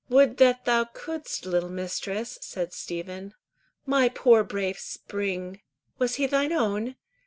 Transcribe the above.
"Would that thou couldst, little mistress," said Stephen. "My poor brave Spring!" "Was he thine own?